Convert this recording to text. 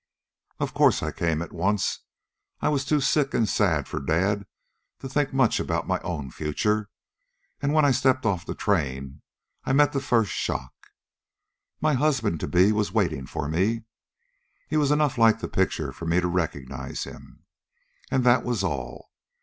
"Of course I came at once. I was too sick and sad for Dad to think much about my own future, and when I stepped off the train I met the first shock. My husband to be was waiting for me. He was enough like the picture for me to recognize him, and that was all.